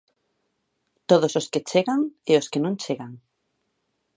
Todos os que chegan, e os que non chegan.